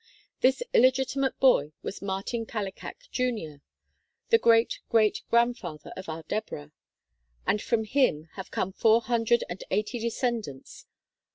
This illegitimate boy was Martin Kallikak Jr., the great great grandfather of our Deborah, and from him have come four hundred and eighty descendants.